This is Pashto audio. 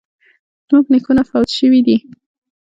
زموږ نیکونه فوت شوي دي